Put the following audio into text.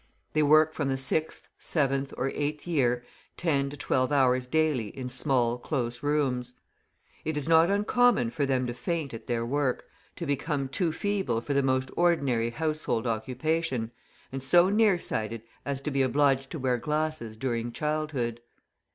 They work from the sixth, seventh, or eighth year ten to twelve hours daily in small, close rooms. It is not uncommon for them to faint at their work, to become too feeble for the most ordinary household occupation, and so near sighted as to be obliged to wear glasses during childhood.